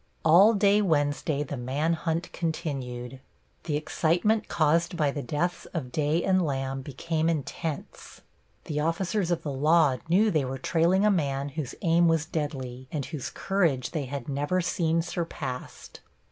All day Wednesday the man hunt continued. The excitement caused by the deaths of Day and Lamb became intense. The officers of the law knew they were trailing a man whose aim was deadly and whose courage they had never seen surpassed.